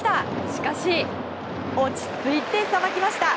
しかし落ち着いてさばきました。